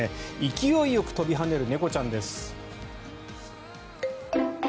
勢いよく跳びはねる猫ちゃんです。